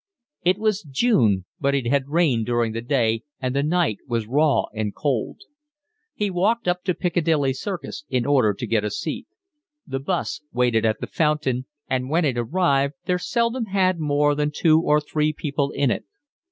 It was June, but it had rained during the day and the night was raw and cold. He walked up to Piccadilly Circus in order to get a seat; the 'bus waited at the fountain, and when it arrived there seldom had more than two or three people in it.